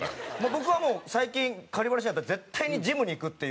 僕はもう最近バラシになったら絶対にジムに行くっていう。